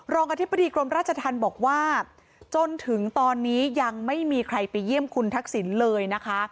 อธิบดีกรมราชธรรมบอกว่าจนถึงตอนนี้ยังไม่มีใครไปเยี่ยมคุณทักษิณเลยนะคะ